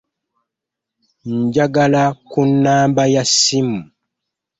Njagala ku nnamba ya ssimu.